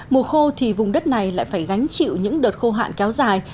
mùa khô thì vùng đất này lại phải gánh chịu những đợt khô hạn kéo dài